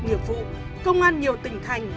bị nghiệp vụ công an nhiều tỉnh thành